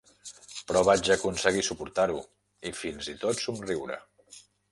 Però vaig aconseguir suportar-ho, i fins i tot somriure.